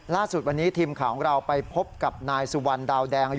ล่าสุดวันนี้ทีมข่าวของเราไปพบกับนายสุวรรณดาวแดงอายุ